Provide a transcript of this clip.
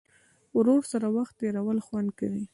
ورور سره وخت تېرول خوند کوي.